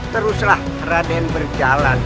teruslah raden berjalan